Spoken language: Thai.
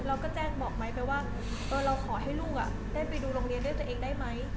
เราก็แจ้งบอกไม้ไปว่าเราขอให้ลูกได้ไปดูโรงเรียนด้วยตัวเองได้ไหม